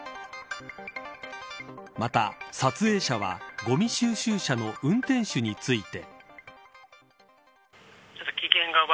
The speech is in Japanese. また、撮影者はごみ収集車の運転手について。